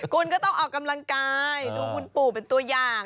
คุณก็ต้องออกกำลังกายดูคุณปู่เป็นตัวอย่าง